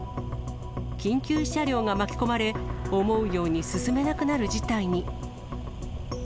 緊急車両が巻き込まれ、思うように進めなくなる事態に。